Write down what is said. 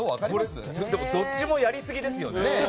どっちもやりすぎですよね。